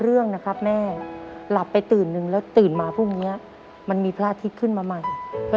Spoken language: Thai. เรื่องนะครับแม่ละไปตื่นหนึ่งแล้วตื่นมาพรุ่งเมี้ยมันมีพลาดทิศขึ้นมาใหม่ก็